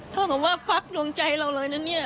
เท่ากับว่าพักดวงใจเราเลยนะเนี่ย